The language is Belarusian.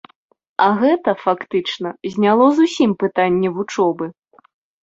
А гэта, фактычна, зняло зусім пытанне вучобы.